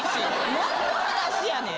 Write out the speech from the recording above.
何の話やねん！？